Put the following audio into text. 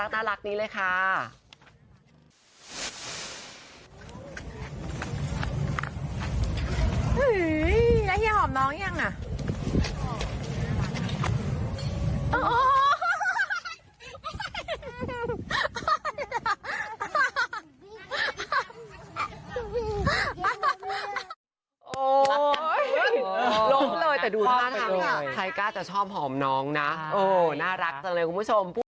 ใครกล้าจะชอบหอมน้องนะน่ารักจังเลยคุณผู้ชม